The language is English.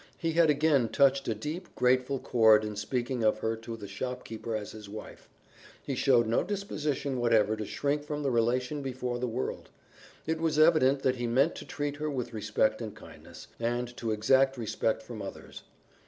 He had again touched a deep, grateful chord in speaking of her to the shopkeeper as his wife; he showed no disposition whatever to shrink from the relation before the world; it was evident that he meant to treat her with respect and kindness, and to exact respect from others.